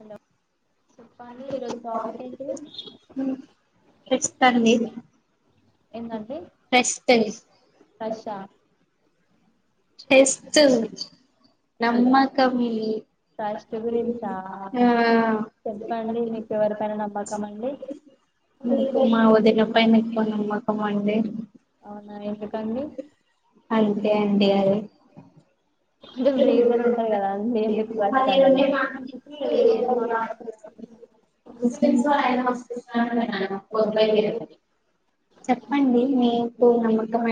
Hello చెప్పండి ఈరోజు topic ఏంటి ఏంటంటే క్రష్ ఆ టెస్టు నమ్మకమి క్రష్ గురించా అ చెప్పండి మీకు ఎవరిపైన నమ్మకం అండి మా ఒదిన మ. పైనేకో నమ్మకమండి. అవునా ఎందుకండి. అంతే అండి అది. కొంచెం రీజన్ ఉంటది కదా అండి ఎందుకు క్రష్ అనేది [unintelligible] ఒ నమ్మకమే.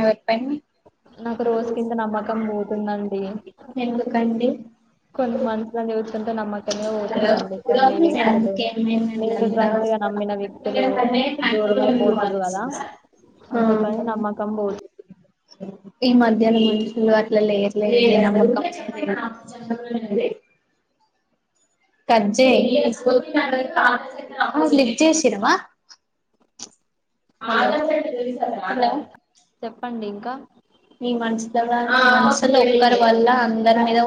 నాకు రోజు కింత నమ్మకం పోతుందండి. ఎందుకండి. కొన్ని మనుషులను చూస్తుంటే నమ్మకమే పోతుందండి కొన్ని వ్యక్తులు నేను ట్రస్ట్ గా నమ్మిన వ్యక్తులు దూరమైపోతుర్రు కదా అందుకని నమ్మకం పోతు ఈ మధ్యాల మునుషులు అట్లలెర్ లే. కజ్జెయ్ అమ లీబ్జేసిందా. హలో ఆధార్ అంటే తెలుసా. చెప్పండి ఇంకా ఈ మనసుల మనసులో ఉరు వల్ల అందరి మీద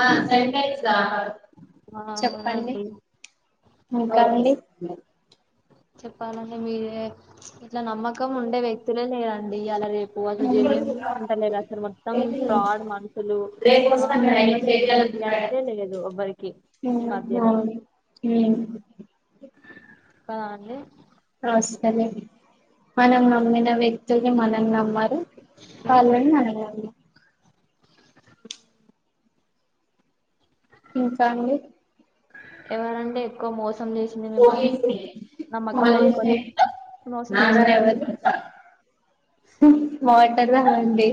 ఆ అవునండి చెప్పండి ఇంకాండి. అవునండి మీరే చ్ ఇట్లా నమ్మకం ఉండే వ్యక్తులే లేరండి ఇయ్యాల రేపు. అసలు జన్యుంగా ఉంటలేరు అసలు మొత్తం ఫ్రాడ్ మనుషులు ఆ. సెమీనిటీ అనేదే లేదు ఎవ్వరికి ఈ మధ్యలో. ఒక్కదాన్ని. అవసరంలే, మనం నమ్మిన వ్యక్తులు, మనం నమ్మారు. [unintelligible] ఇంకా అండి. ఎవరంటే. ఎకో మోసం చేసింది మిమ్మల్ని నమ్మకం పెట్టుకొని మోసం చేసిన వ్యక్తులు మాటలా అండి.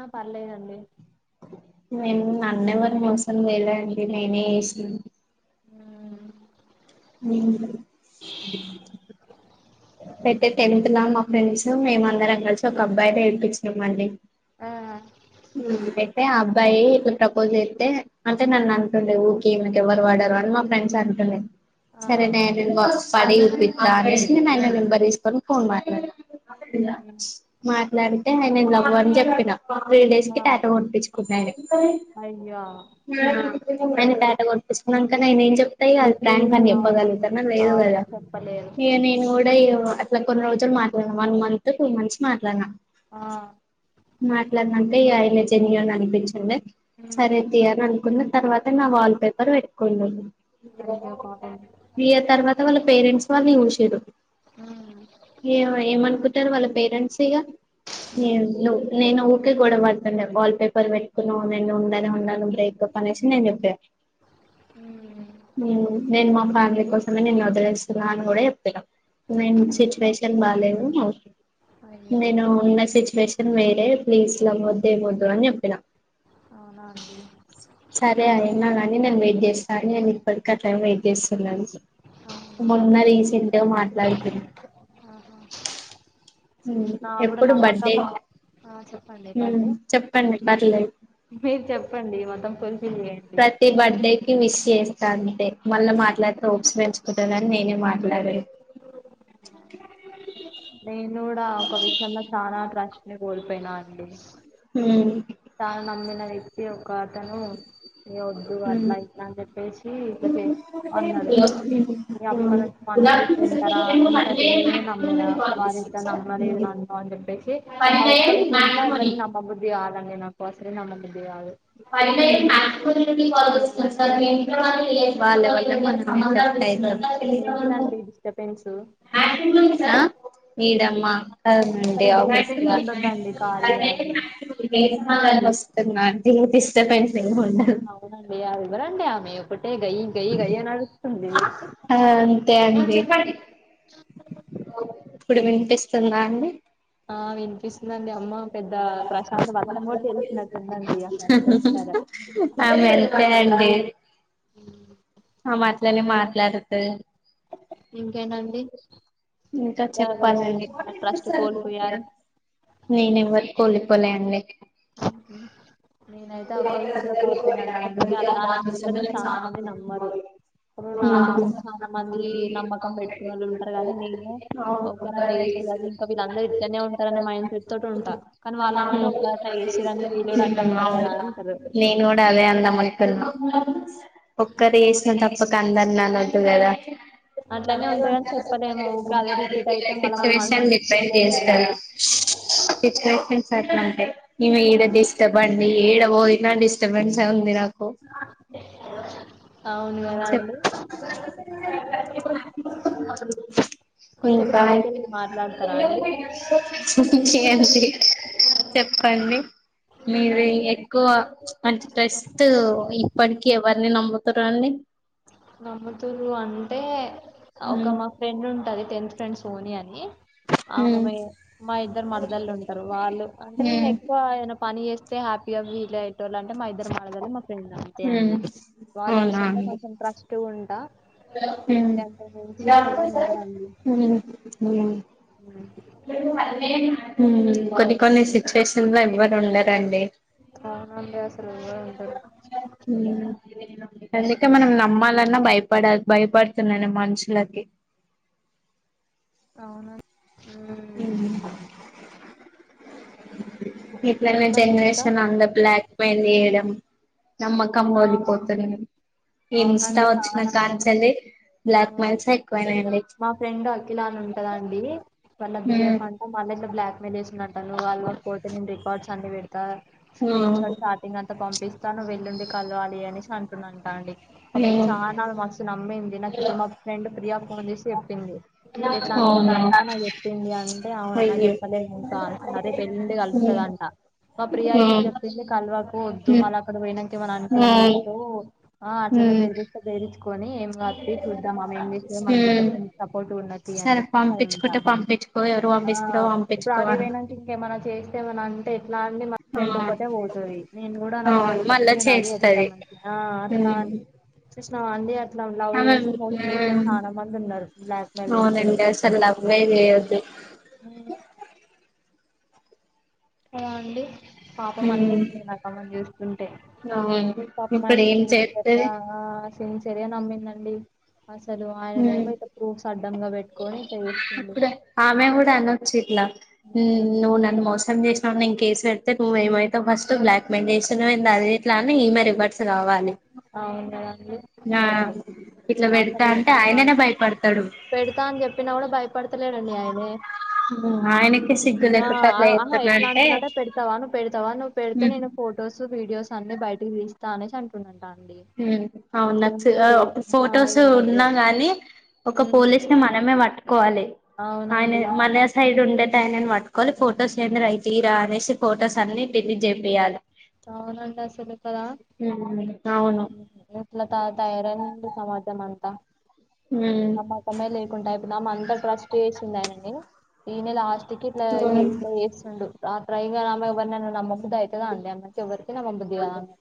ఆ పర్లేదండి. నేన్ నన్నుఎవరు మోసం చేయలేదండి నేనే చేసిన. ఉమ్, అయితే టెన్త్ ల మా ఫ్రెండ్స్ మేము అందరం కలిసి ఒక అబ్బాయి తే ఏడిపించినం అండి. ఆ. అబ్బయి ఇప్పుడు ప్రపోజ్ జెతే అంటే నన్ను అంట. ఆ సరే నే బాక్స్ పడి చూపి. తెలిసిన అయన నెంబర్ తీసుకోని ఫోన్ మాట్లాడిన. ఉమ్, మాట్లాడిన. తే నే నేను లవ్వు అని చెప్పిన త్రీ డేస్ ఆ కి టాటో పొడిపిచ్చుకున్నాయిగ అయ్యో మేయిన్ టాటో పొడినిపిచ్చున్నా ఇంక నేను ఏం చెప్తాయిగ దానికని అవును చెప్పగలుగుతాన్నా లేదు అవును కదా చెప్పలేదు చల్ మాట్లాడలే వన్ మంత్ టూ మంత్స్ కు మాట్లాడినా ఆ మర్ ట్లన్నంటే ఇగ ఆయన జెన్యూన్ అనిపిచ్చిండే సరే తీయ్ అని అనుకున్న తర్వాత నా వాల్ పేపర్ పెట్టుకోండు అయ్యో పాపం మీ తర్వాత వాళ్ళ పేరెంట్స్ వాళ్ళ ఉషేరు అయ్యో ఏ ఏమకు వాా పేరెట్స్ సగా న నేను కూడా పడుతుండ వాల్ పేపర్ పెట్టుకును నేను ఉందని ఉన్నాను బ్రేకప్ అనేసి నేను చెప్పాను నేను మామ బానిలీ కోసమే నేను వదిలేస్తున్నా అని కూడా చెప్ప్పాను న సిచువేషన్ బాలలేదు అయ్యో నేను ఉన్న సిచువేషన్ మేడే ప్లీస్లా ముద్దే ముొద్దు అని చెప్పిన అవునా అండి సరే ఎన్నా నని నం వెయిట్ చేస్త సని ని పడక టైమ్ ఇ సార్ న అవునా. మొన్న రీసెంట్గా మాట్లాడుతు ఆహా నా కూడా నమ్మకం ఆ చెప్పండి బండి చెప్పండి పర్లేదు మీరు చెప్పండి మొత్తం పులి ప్రతి బర్త్డేకి మస్ చేస్త అంటే మళ్ళా మాట్లాడితే పెలుకుంట నేనే మాట్లాడండి నేను కూడా ఒకవిషయంలో చాలా ట్రస్ట్ నే కోల్పోయినా అండి అ అయితే ఒక అతను న వద్దు అట్లా ఇట్లా అని చెప్పేసి ఇట్లా చే అన్నాడు ఈ అప్ప నుంచి మనుషులు ఏ ఏ ఏ ఏ వద్దుఅట్లఇట్లా అని చెప్పేసి ఇట్లా చేసిఅన్నాడు అప్పటినుంచి పలకరించిన తరువాత [unintelligible] ఇంత తెలియదని నమ్మినా వారి ఇంత నమ్మలేదు నన్న అని చెప్పేసి ఆ ఒక్క విషయంలో ఎవరి నమ్మబుద్ధి కాాలని నేనా [unintelligible] ప మా [unintelligible] వాళ్ళు వాళ్లు మాట్లాడుకుంటే సెట్ అవుతారు ఏంటిదండి డిస్టబెన్సు ఆ వీడేమ్మ అసలు ఈ డిస్టర్బెన్స్ ఉండొద్దండి కారు [unintelligible] వస్తున్న [unintelligible] సెట్టైంది అవునండి ఆ వివరండి మీ గయి గయి గయి అరుస్తుంది ఆ అంతే అండి ఇప్పుడు వినిపిస్తుందా అండి ఆ వినిపిస్తుంది అవునండి అమ్మ పెద్ద ప్రశాంత్ వర్క్ కూడా తెలిసినట్టున్దండి అ ఎంత వస్తార ఆమె అంతే అండి వెళ్లి మాట్లాడుదు ఇంతెనాండి ఇంకా ఎవరు విష్ణు ట్రస్ట్ కోల్పోయారు నేనెవ్వరి పోలికలెండి నేనైతే ఒక్క విషయంలో నేను కోల్పోయిన అందుకే దాని విషయంలో నేను చాలా మంది నమ్మరు. ఇప్పుడు నా కోసం చాలా మంది నమ్మకం పెట్టుకునే వాళ్ళు ఉంటారు. కానీ నేనే ఒక్కరు అట్లా వేస్తు అది ఇంకా వీళ్ళందరుూ ఇద్దనే ఉంటారునే మైండ్ చెప్ టి ఉంటా కానీ వాళ్ళందరూ ఒక నే కూడా అదే అన్నా ఒక్కరు ఏసిన బట్ట అట్లనే ఉంటదని చెప్పలేము ఊకే అదే రిపీట్ అయితే [unintelligible] [unintelligible] మళ్ళ పిక్స్ మన మీకు మనసు సెండ్ తీసుకోలేదు కదా చేస్తాను సిచువేషంట్స్ అట్లాంటే న ఈడ డిస్టర్బ్ అండి ఈడ పోయినా డిస్టర్బెన్స్ ఉంది నాకు అవును కదా చెప్ అండి కొంచెం ఇంకా బయటిక వెళ్ళి మాట్లాడతారా అండి ఇంకేంటి చెప్పండి ఆ, మీరే ఎక్కువ అంటే టస్ట్ ఇప్పటికి ఎవరిని నమ్ముత రండి నమ్మతూరు అంటే అక్కడ హ్మ్ నా ఫ్రెండ్ ఉంటది టెన్త్ ఫ్రెండ్ సోని అని హ్మ్ ఆమె మా ఇద్దరు మరదల్ళు ఉంటారు వాళ్ళు అంటే నేను ఎక్కువ ఆయన పని చేస్తే హ్యాపీగా వీల్ అయి టోల్ అంటే మా ఇద్దరు మరదలు మా హ్మ్ ఫ్రెండ్ వాళ్ళ విషయంలో కొంచెం ట్రస్ ఉంటా ఊ అంతే అంతకు ఊ మించి ఊ ఎవ్వరు ఉండరండి ఊ ఉమ్. కొన్ని కొన్ని సిచ్యువేషన్ లో ఎవ్వరు ఉండరండి అవునండీ అసలు ఎలా ఉంటారు హ్మ్ అందుకే మనం నమ్మాలన్నా భయప్ భయపడుతున్నాను మనుషులకి అవునా మ్మ్ ఊ ఇట్లనే చెప్పండి ఇంకా జెనరేషన్ అన్ద బ్లాక్ పోయింది యం నమ్మకం ఆ ఓడిపోతుంది ఇన్స్టా అవునండి వచ్చిన చాలా కాంచెలి బ్లక్ మైల్స్ అవునండి ఎక్కువైనయ్ మా ఫ్రెండ్ అఖిలా అని ఉంటదండి వాళ్ళ బీఫ్ ఉమ్ అంట మళ్ల ఇట్లబ బ్లాక్మెయిల్ చెస్ నటను నువ్ కలవకపోతే నేను రికార్డ్స్ అన్ని వెడ్ త్త స్క్రీన్ షాట్ ఉమ్ చాటింగ్ అంత పంపిస్ తను వెళ్ళుండి కలవాలి అనేసి అంటుడంట అండి అప్పుడు నేను ఉమ్ చాలా మస్తు నమ్మింది నాకు ఇప్పుడు మా ఫ్రెండ్ ప్రియా ఫోన్ చేసి చప్పింది ఇట్లా అవునా అంటుండంట నాకు చెప్పింది అంటే అవున నా అయ్యో చెప్పలేదు ఇంకా అనుకున్న రేప్ ఎల్లుండి ఉమ్ కలుస్తుదంట మా ప్రియా ఏం ఉమ్ చెప్పింది కల్వకు వద్దు ఉమ్ మళ్ళ అక్కడ పోయినం ఏం ఉమ్ చేతావు ఆ అట్లనే ఉమ్ బెదిరితె బెదిర్చు కొని ఏం కాద్ తియ్ చూద్దాం ఆమె ఏం చేస్తదో మనం ఉమ్ మేం నీకు సపోర్ట్ ఉన్నది సరే అనేసి అన్నదంట పంపించుకుంటే పంపించుకో ఎవరు ఆ పంపిస్తారో ఇప్పుడు పంపించుకో ఆడ అను పోయినాక ఇంకేమన్నా చేస్ ఏమన అంటే అట్లా అని మా ఫ్రెండ్ అవును ఒకటే పోతది నేను కూడా నాకు ఒక వేళ అవును చెప్తే మళ్ళా నేను అదే చేస్తది చెప్తామని ఆ అట్లా హ్మ్ అని చూసినవా అన్ లవ్ లవ్ అలా చేసి మోసం చేసిన హ్మ్ చానా మం మంది ఉన్నరు అవునండి అసలు లవ్వే చెయ్యొద్దు ఉ అ అండి పాపం హ్మ్ అనిపిస్తుంది నాకు అమేను చూస్తుంటే అవును పాపం ఇప్పుడు ఆయన ఏం సిన్సియర్ చేత్తది గా అ సిన్సియ్యార్ గా నమ్మిందండి అసలు ఆయన హ్మ్ ఏమో ఇట్లా ప్రూఫ్స్ అడ్డంగా పెట్టుకొని ఇట్లా చెస్ అప్పుడ ఆమె కూడా అనొచ్చు ఇట్లా ఉమ్ నువ్వు నన్ను మోసం చేస్ నవ్ నేను కేసు పెడితే నువ్ ఏమైతావు ఫస్ట్ బ్లాక్ మెయిల్ చేస్తున్నావేంది అది ఇట్లా అని ఈమె రివర్ట్స్ కవాలి అవున అండి ఇట్లా ఆ పెడతా సరే అంటే ఆ ఆయననే భయపడతాడు పెడతా అని చెప్పినా కూడా భయప పడతలేడండి ఆయనే ఆయనకి ఉ సిగ్గు లేకుండా అట్లా హా చెప్తున్నా ఎట్లా అంటున్నట్ట అంటే పెడతావా నువ్వు పెడతావా నువ్వు పెడితే నేను ఫొటోస్ వీడియోస్ అన్ని బయట తీస్తా అనేసి అంటునడంట ఉ అవు నా ఆ ఫొటోస్ ఈ మధ్య ఉన్నా గానీ ఒక ఉమ్ పోలీస్ ని మనమే పట్ కోవాలి ఆయన అవునండి మన సైడ్ ఉండేట్ ఐనాను పట్టుకోవాలి ఫొటోస్ తియ్యురా అనేసి ఫొటోస్ అన్ని డిలీట్ చేపియాలే అవునంటా అసలు కదా ఉమ్ అవును ఇలా త తయరన్ డి సమాజమంత హ్మ్ మతమే లేకుండానే ఆమె అంతా ట్రస్ట్ చేసింది ఆయననీ డి ఈనెలాస్ట్ కిట్లఈ ఇట్లచేస్తుండు ఆ ట్రైగర్ ఆ అమ్మాయ్ కి బన్న నమ్మబుద్ధి అయితధా అండి [inaudible] ఎవరి తే నమ్మబుద్ధి కాదు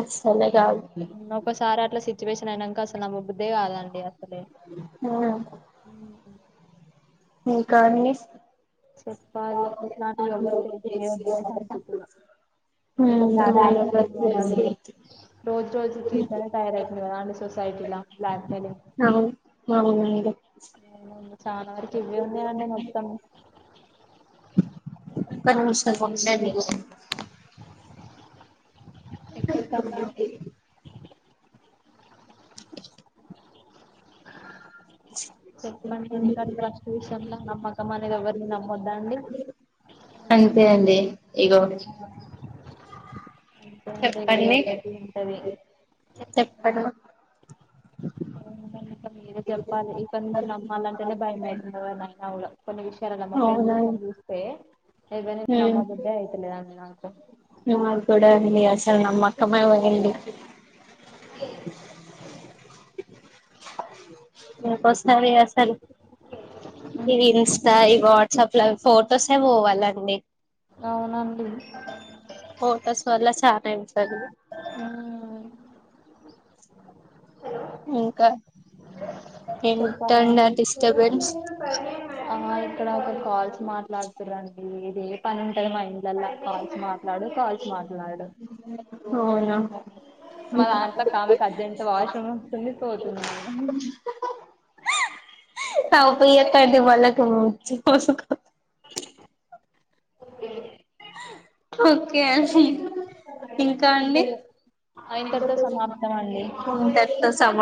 అస్సలే కాదు ఒకసారి అట్లా సే సిచువేషన్ అనాన్ క అసలు నమ్మబుద్దే కాదండి అసలే ఉమ్ ఉమ్, మీకా అండి చెప్పాలి ఇట్లాంటి ఏవరు టయ ఉందనే అనుకుంటున్నా ఇట్ ఉమ్ బ్లాక్మెెయిల్స్ రోజు రోజు కిట్లనే తయారవుతది కదా అండి సొసైటీలా బ్లాక్ మెయిలింగ్ అవును అవునండి ఒక్క చానా వరకు ఎవ్వెఉన్నాయండి మొత్తం ఒక నిమిషం ఉండండి ఎక్కడ తండి చెప్పండి ఇంకా ట్రస్ట్ విషయంలో నమ్మకం అనేది ఎవరిని నమ్మొద్దా అండి అంతే అండి ఇగో ఎంతైతే ఏదో చెప్పండి ఒకటి ఉంటది చెప్పండి ఉ ఇంక మీరే చెప్పాలి ఇక్కడ నుంచి నమ్మాలంటేనే భయం అయితుంది ఎవర్నైనా కూడా కొన్ని విషయలల్ల మా ఫ్రెండ్ విషయం చూస్తే ఎవరిని హ్మ్ నమ్మబుద్దే అయితలేదండి నాకు నాక్ కూడా అండి అసలు నమ్మకమే పోయింది ఇన్ ఫోస్ సరే అసల్ ఇది ఉమ్, ఇన్స్టా ఇ వాట్సప్ లా ఫోర్ తో సెవ్ పోవాలండి అవునండి అం సలు ఆ ఇంకా చెప్పాలండీ ఇంటర్నెట్ డిస్టర్బెన్స్ ఆ ఇక్కడ ఒకరు కాల్స్ మాట్లాడుతురండి ఇది ఏ పని ఉంటది మా ఇంట్ లల్ల కాల్స్ మాట్లాడు కాల్ మా అవునా మా దాంట్లో కామెకి అర్జెంట్ వాషరూమ్ వస్తుంది పోతుంది ఆమె నవ్వు పియ్యకండి వాళ్ళకి చుక్క చక్క ఓకే అండి ఇంకా ఇంతే అండి ఏం ఇంతటితో సమాప్తం అండి ఇంతటీతో సమా